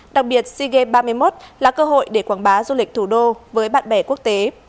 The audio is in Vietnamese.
đặc biệt sea games ba mươi một là cơ hội để quảng bá du lịch thủ đô với bạn bè quốc tế